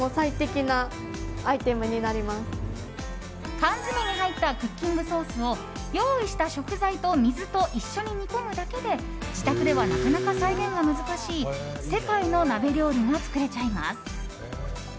缶詰に入ったクッキングソースを用意した食材と水と一緒に煮込むだけで自宅ではなかなか再現が難しい世界の鍋料理が作れちゃいます。